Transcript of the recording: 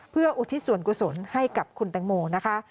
เพื่ออุทิศส่วนกุศลให้กับคุณแตงโมนะคะ